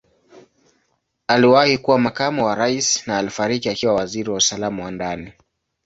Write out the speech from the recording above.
Aliwahi kuwa Makamu wa Rais na alifariki akiwa Waziri wa Usalama wa Ndani.